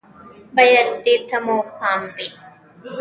بايد دې ته مو پام وي